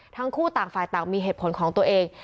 ทั้งคู่ต่างฝ่ายต่างมีเหตุผลของตัวเอง